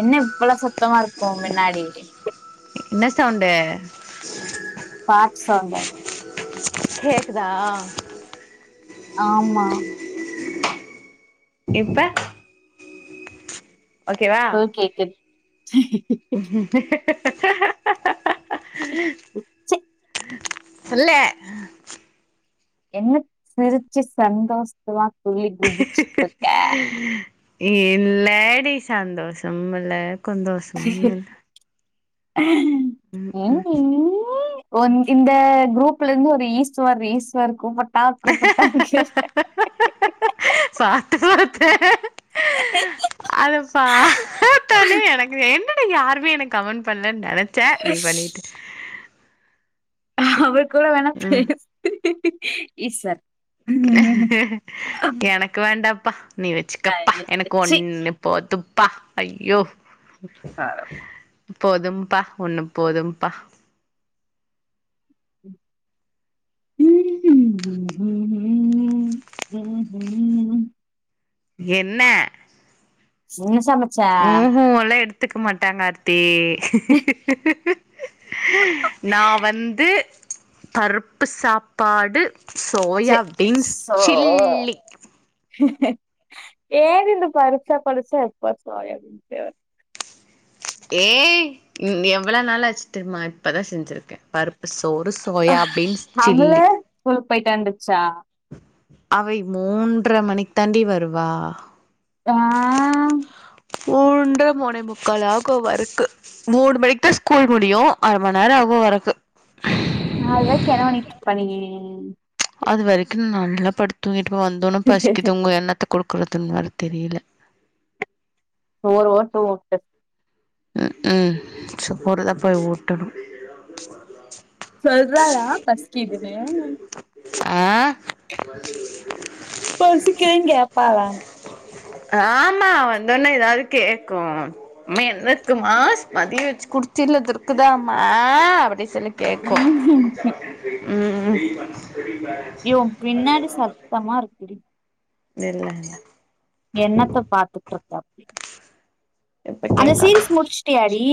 என்ன இவ்ளோ சத்தமா இருக்கு உ பின்னாடி ன்ன சவுண்டு பாட் சௌண்டு கேக்குதா ஆமா இப்ப ஓகேவா ஹு கேக்குது ச்சீ [unintelligible] சொல்லு என்ன சிரிச்சு சந்தோஷத்துல துள்ளி குதிச்சிட்டு இருக்க இல்லடி சந்தோஷமும் இல்ல குந்தோஷோமு இல்ல உம் உ ஒ இந்த குரூப்ல இருந்து ஒரு ஈஸ்வர் ஈஸ்வர் கூப்பட் டா கூப்பட்டா பாத்த அதப்பாத்தோனே எனக்கு வேணூ என்ன யாருமே எனக்கு கமெண்ட் பண்ணலன்னு நினைச்சே நீ பண்ணீட்ட அவர் கூட வேணா ம் பேசு ஈஸ்வர் எனக்கு வேண்டாப்பா நீ வச்சிக்கப்பா எனக்கு ஒன்னு போதுப்பா ஐயோ ஆ போதும்பா ஒன்னு போதும்பா ம் ஹூம் ஹூ ஹூம் ஹூ என்ன என்ன சமச்ச கத்துக்க மாட்டாங்க ஆர்த்தி நா வந்து பருப்பு சாப்பாடு சே சோயா பீன்ஸ் சில்லி ஏது இந்த பருப்பு சாப்பாடு சே எப்ப பாரு சோயா பீன்ஸ் ஏய் எவ்வள நாளாச்சி தெரியுமா இப்பதா செஞ்சிருக்கே பருப்பு சோறு சோயாபீன்ஸ் அமுல சில்லி ஸ்கூலுக்கு போயிட்டு வந்துச்சா அவை மூன்ற மணிக்கு தாண்டி வருவா ஆ மூன்ற மூணேமுக்கால் ஆகு வர்றக்கு மூணு மணிக்கு தா ஸ்கூல் முடியு அர மணி நேரோ ஆகு வர்றக்கு ஆ அதுவரைக்கி என்ன பண்ணீட்டு இருப்ப நீ அது வரைக்கு நல்லா படுத்துதூங்கிட்டுருப்பே வந்தோன்ன பசிக்குதுங்கு என்னத்த குடுக்குறதுன்னு வேற தெரியல சோற போட்டு ஊட்டு ம் ம் சோறு தா பொய் ஊட்டணு சொல்றாளா பசிக்கிதுன்னு ஆ பசிக்குதுன்னு கேப்பாளான்னு ஆமா வந்தோன்னே ஏதாது கேக்கு அம்மா என்ன இருக்குமா மதியோ வச்சி குடுத் தச்சில இருக்குதாமா அப்டி சொல்லி கேக்கு ம் ம் ம் ஏ ஓ பின்னாடி சத்தமா இருக்குடி இல்ல இல்ல என்னத்த பாத்துட்ருக்க அப்டி இப்ப கேக்காது முடிச்சுட்டியாடி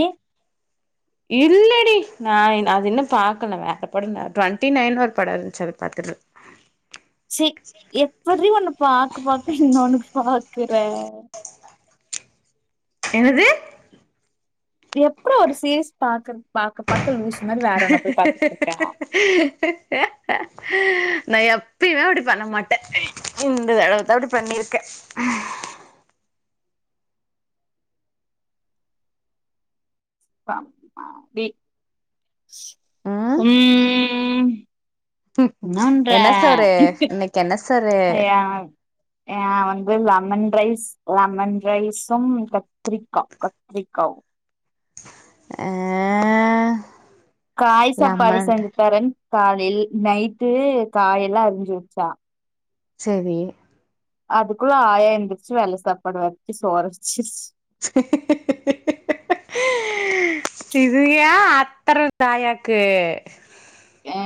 இல்லடி நா என் அது இன்னு பாக்கலங்க அந்த படோ ட்வெண்ட்டி நைன் ஒரு படோ இருந்துச்சி அத பாத்துட்டு சி எப்பிட்ரி ஒன்னு பாக்க பாக்க இன்னொன்னு பாக்குற என்னது எப்டி ஒரு சீரிஸ் பாக்கற பாக்க பாக்க லூஸ் மாரி வேற ஒன்ன போய் பாத்துட்டுருக்க நா எப்பயுமே அப்டி பண்ண மாட்டே இந்த தடவதா அப்டி பண்ணிருக்கே ம் ம் ம் என்ன பண்ற என்ன சோறு இன்னைக்கு என்ன சோறு அய்யா ஏ வந்து லெமன் ரைஸ் லெமன் ரைஸும் கத்திரிக்கா கத்திரிக்காவு ஆ காய் சாப்பாடு லெமன் செஞ்சித்தறேன் காலேல் நைட்டு காயெல்லா அரிஞ்சு வச்சா செரி அதுக்குள்ள ஆயா எந்திரிச்சி வெள்ள சாப்பாடு வச்சி சோற வச்சிருச்சி இதயா அத்தர தாயாக்கு ஆ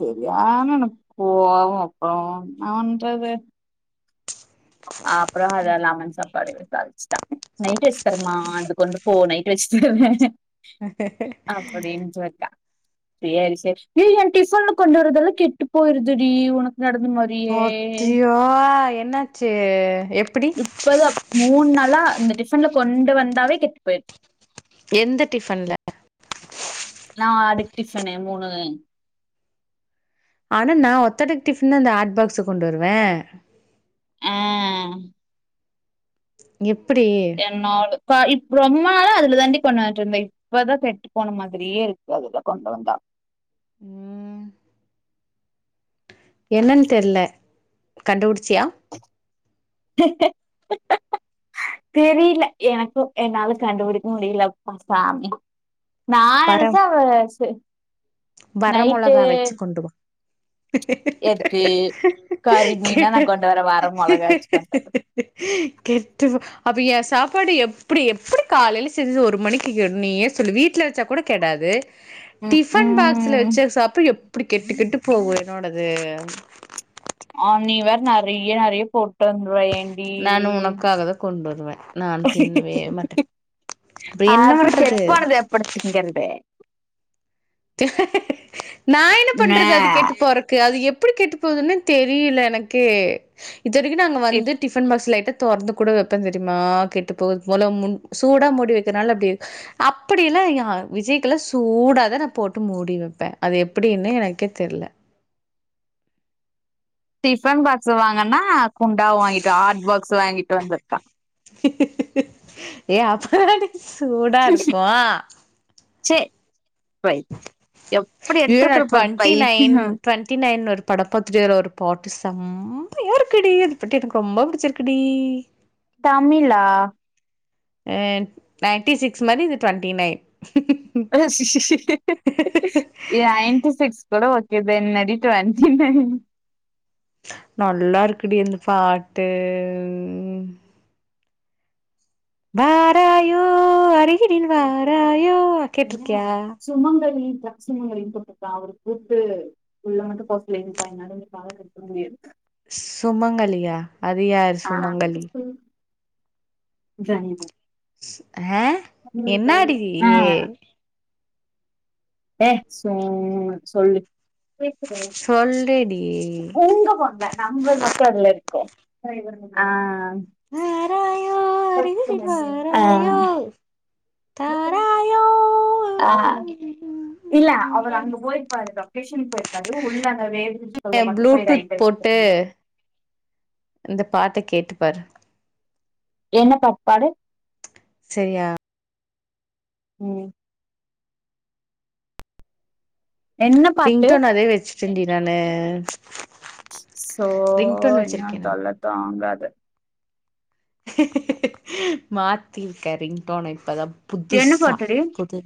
செரியான எனக் கோவோ அப்புறோ இன்னா பண்றது அ அப்புற அத லமன் சாப்பாடு தாளிச்டா நைட் வெஷ் தரமா அது கொண்டு போ நை ட்டு வெஷ்ட் [unintelligible] அப்படின் போய்ர்க்கா சேரி சேரி எ என் டிஃபன்ல கொண்டு வரதல்லா கெட்டு போய்ருதுடி உனக் ஆத்தியோ என்னாச்சு எப்டி இப்பதா மூண் நாளா இந்த டிஃபன்ல கொண்டு வந்தாவே கெட்டு போய்ர்து எந்த டிஃபன்ல நா அடுக் டிஃபனு மூணு ஆனா நா ஓத்தடுக் டிஃபன் தா அந்த ஹாட் பாக்ஸு கொண்டு வருவே ஆ எப் என்னாடு கா இப் ரொம் நாளா அதுல தாண்டி கொண் வந்ட்ருந்தே இப்பதா கெட்டு போன மாதிரியே இருக்கு அதுல கொண்டு வந்தா ம் என்னன் தெர்ல கண்டுபுடி தெரியில எனக்கு என்னால கண்டுபுடிக் முடியில அப்பா சாமி நா வர நெனச்ச அவ ச வர நைட்டு மொளகா வச்சு கொண்டு வா எதுக்கு கறி கெ மீனா நா கொண்டு வரே வர மொளகாச்சு கொண்டு வரே கெட்டு போ அப்ப எ சாப் ப்படி எப்புடி எப்புடி காலையில செஞ்சு ஒரு மணிக்கு கெடு நீயே சொல்லு வீட்ல வெச்சா கூட கெடாது ம் டிஃபன் பாக்ஸ்ல ம் வெச்ச சாப்ப எப் புடி கெட்டுக்கெட்டு போகு என்னோடது ஆங் நீ வேற் நறிய நறிய போட்டு வந்துருவ ஏண்டி நா உனக்காகதா கொண்டு வருவே நா தின்னவே மாட்ட ஆ அப்புற கெட்ப் போனத எப்படி திங்கறது நா என்ன மே பண்றது அது கெட்டு போறக்கு அது எப் ப்புடி கெட்டு போதுன்னு தெரியில எனக்கே இது வரிக்கு நாங் அங்க வந்து டிஃப் டிஃபன் பாக்ஸ் லைட்ட தொற்ந்து கூட வெப்பேந் தெரியுமா கெட்டு போகுது போல முன் சூடா மூடி வெக்கிற்னால அப்டி அப்படியென்ன யா விஜய்கலா சூடாதா நா போட்டு மூடி வெப்பே அது எப்படின்னு எனக்கே தெர்ல டிஃபன் பாக்ஸு வாங்கன்னா குண்டாவ வாங்கிட்டு ஹாட் பாக்ஸ் வாங்கிட்டு வந்திர்க்கா ஏ அப்ப தான்டி சூடா இருக்கு சேர் வை ஏ நா ட்வெண்டி நைன் ட்வெண்டி நைன் இரு பட பாத்துட்டு அதுல ஒரு பாட்டு செம்மையா இருக்குடி அது பாட்டு எனக்கு ரொம்ப பூடிச்சிருக்குடி தமிழா அ நைன்டி சிக்ஸ் மாரி இது ட்வெண்டி நைன் எ ஐன்டி சிக்ஸ் கூட ஒ இத்தென்னடி ட்வெண்டி நைன் நல்லா இருக்குடி அந்த பாட்டு வாராயோ அரு ருகில் வாராயோ கேட்ருக்கியா மேக்ஸிமம் ஒரு இன்ட்ரோ போட்டா அவரு கூப்ட்டு உள்ள மட்டு போக செல்லி இருக்காங்க [unintelligible] முடியாது சுமங்கலியா அதுயாரு சுமங்கலி அ ஆ என்னாடி அ ஏ சும்மா சொல்லு சொல்லுடி உங்க ஃபோன்ல நம்பர் மட்டு அதுல இருக்கு ஆ வாராயோ அருகினில் ஆ தாரா இல்ல அவரு அங்க போயிருப்பாரு லொகேஷன்கு போயிருப்பாரு உள்ள வே ப்ளூடூத் போட்டு இந்த பாட்ட கேட்டு பாரு என்ன பாட் பாடு செரியா ம் என்ன பாட்டு ரிங்டோன் அதே வெச்சிட்டேன் டி நானு ச்சோ ரிங்டோன் இனி வச்சிருக்கே உன் நானு தொல்ல தாங்காது மாத்திருக்கே ரிங்டோன இப்தா என்ன புதுச பாட்டுடி புது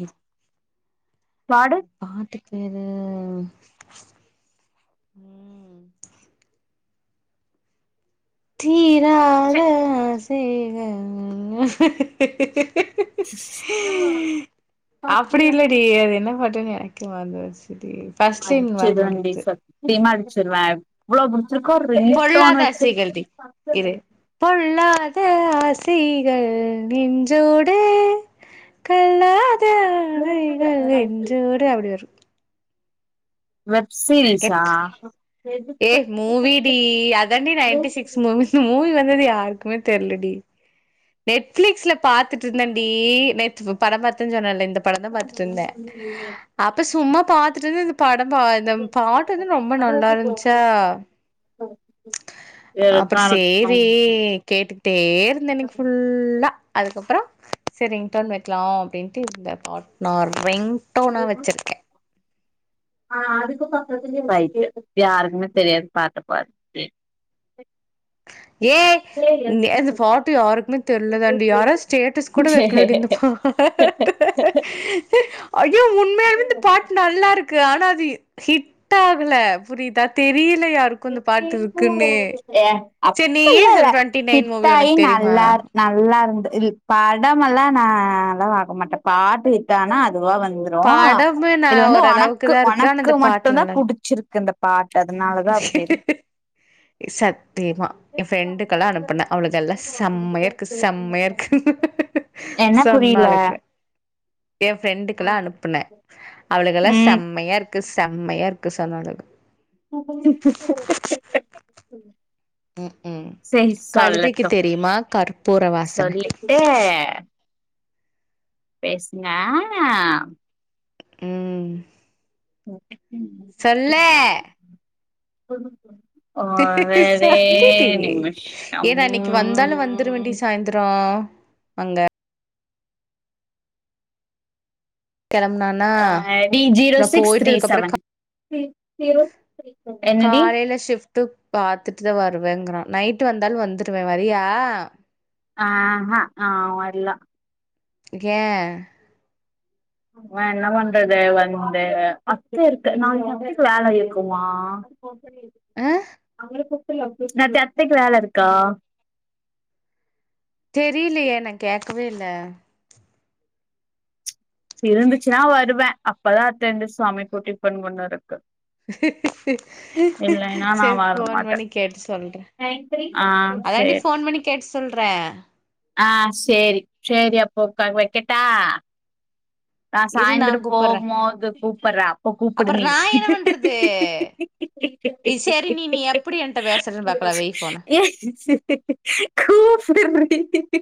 பாடு அது பாட்டு வேற தீராத ச்சே ஆசைகள் பண்ணா [unintelligible] ஒகே வந்துருச்சி அடிச்சிருவேன் டி சத்தியமா அடிச்சிருவே இவ்ளோ புடிச்சிருக்கோ ரிங்டோன் பொல்லாத ஆசைகள் வச்சிருக்க தீராத ஆசைகள் நெஞ்சோடு கல்ல த ஆசைகள் நெஞ்சோடு அப்டி வரும் வ க ஏ மூவி டி அதாண்டி ninety six movie movie movie வந்தது யாருக்குமே தெர்லடி நெட்ஃபிளிக்ஸ்ல பாத்துட்டு இருந்தேன்டி நேத்து படோ பாத்தேன்னு சொன்னல இந்த படம் தா பாத்துட்டு இருந்தே அப்ப சும்மா பாத்துட்டு இருந் படம் பா இந்த பாட்டு வந்து ரொம்ப நல்லா இருந்சா அப்பறோ சேரி கேட்டுக்கிட்டே இருந்தே இன்னைக்கு ஃபுல்லா அதுக்கப்பறோ சேரி ரிங்டோன் வெக்கலா அப்டின்ட்டு இந்த பாட் நார்ம ரிங்டோனா வெச்சிருக்கே ரைட்டு யாருக்குமே தெரியாது பாட்டு பாடு ஏய் இந்த பாட்டு யாருக்குமே தெர்லதாண்டி யாரோ ஸ்டேட்டஸ் கூட வெக்கல இந்த ஐயோ உண்மையாலுமே இந்த பாட்டு நல்லா இருக் ஆனா அது ஹிட் ஆகுல புரியுதா தெரி ல யாருக்கு இந்த பாட்டு இருக்குன்னே அப்பில்ல இல்ல ஹிட் ஆயி உனக்கு தெரியுமா நல்லா நல்லா இருந்து இது படமெல்லா நா அவ்ளா பாக்க மாட்டே பாட்டு ஹிட்டானா பொதுவா வந்துரு படமு நா இது வந்து ஓரளவுக்கு ஒனக்கு தா இருக்கு ஆனா ஒனக்கு இந்த பாட்டு மட்டுதா நல்லா புடிச்சிருக் க்கு இந்த பாட்டு அதனாலதா அது சத்தியமா எயா ஃப்ரெண்டுக்கெல்லா அனுப்புனே அவளுக்கல்லா செம்மையா இருக்கு செம்மையா இருக்கு என்ன புரில சொன்னாளுங்க எயா ஃரெண்டுக்கல்லா அனுப்புனே அவளுகல்லா ம் செம்மையா இருக்கு செம்மையா இருக்கு சொன்னாளுக ம் ம் சேரி கழுதைக்கு சொல்லட்டு தெரியுமா கற்பூர வாசன சொல்லிட்டே பேசுங்க ம் ம் சொல்லே சொல்லுங்க சொல்லுடி நிமிஷம் ஏனா இன்னைக்கி வந்தாலு வந்துருவேண்டி சாய்ந்தரோ வங்க கெளம்புனானா அடி ஜீரோ நா சிக்ஸ் த்ரீ போயிட்டதுக்கு அப்புறோ செவன் என்னடி ட்டு பாத்துட்டு தா வருவேங்கிறா நைட்டு வந்தாலு வந்துருவே வரியா ஆ அ நா வரல ஏ நா என்ன பண்றது வந்து இருக்கு வேல இருக்குமா உம் நட்டு அத்தைக்கு வேல இருக்கா தெரிலயே நா கேக்கவே இல்ல இருந்துச்சுனா வருவே அப்பதா அத்தந்து சமைக்கு டிபன் பண்ணு இருக்கு நா செரி வர போன் பண்ணி கேட்டு சொல்றே மாட்டே ஆ அதாண்டி சேரி போன் பண்ணி கேட்டு சொல்றே ஆ செரி செரி அப்போ கால் வைக்கட்டா நா இரு சாய்ந்தரோ கூப்பட்றே போமொது கூப்பறே அப்ப கூப்புடு அப்பறோ நீ நா என்ன பண்றது இ செரி நீ நீ எப்புடி என்ட்ட பேசுறன்னு பாக்கலா வைய் ஃபோன ஓட்ஸ் சுகி ரெண்டு டோட்டி